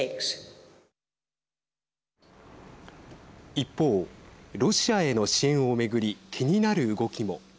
一方、ロシアへの支援を巡り気になる動きも。